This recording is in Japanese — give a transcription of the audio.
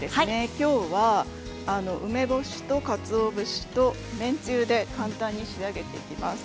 今日は梅干しと、かつお節と麺つゆで簡単に仕上げていきます。